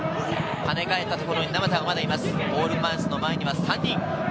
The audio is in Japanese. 跳ね返ったところに名和田がいます、ゴールマウスの前に３人。